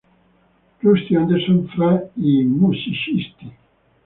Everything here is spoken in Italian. Rusty Anderson fra i musicisti.